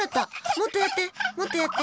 もっとやって、もっとやって。